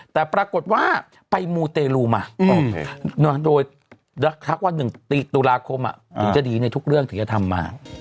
แต่ปรากฏว่าไปมูเตรียมด้วยรักทักวัน๑ตีตุลาคมถึงจะดีในทุกเรื่องที่จะทำมา